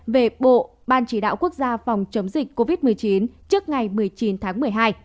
về bộ ban chỉ đạo quốc gia phòng chống dịch covid một mươi chín trước ngày một mươi chín tháng một mươi hai